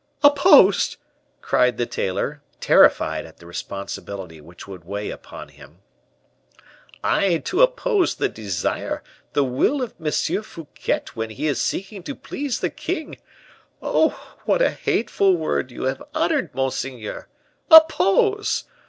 '" "Opposed!" cried the tailor, terrified at the responsibility which would weigh upon him; "I to oppose the desire, the will of M. Fouquet when he is seeking to please the king! Oh, what a hateful word you have uttered, monseigneur. Oppose!